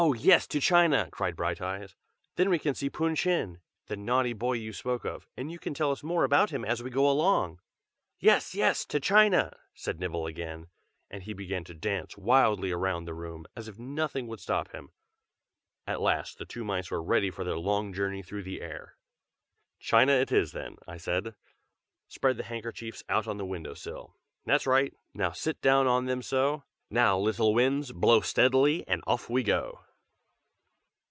yes, to China!" cried Brighteyes. "Then we can see Pun Chin, the naughty boy you spoke of, and you can tell us more about him as we go along!" "Yes! yes! to China," said Nibble, again; and he began to dance wildly around the room, as if nothing would stop him. At last the two mice were ready for their long journey through the air. "China it is then!" I said. "Spread the handkerchiefs out on the window sill. That's right! Now sit down on them so! now, little Winds, blow steadily and off we go!"